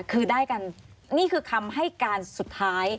คือได้กันนี่คือคำให้การสุดท้าย